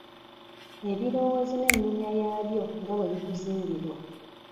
Ebirowoozo n’ennyumya yaabyo nga bwe bituzimbirwa